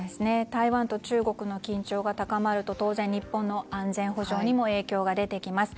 台湾と中国の緊張が高まると当然、日本の安全保障にも影響が出てきます。